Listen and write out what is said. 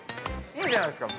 いいじゃないですか。